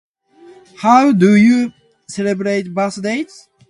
How do you celebrate birthdays?